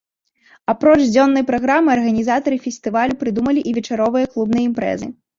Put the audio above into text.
Апроч дзённай праграмы, арганізатары фестывалю прыдумалі і вечаровыя клубныя імпрэзы.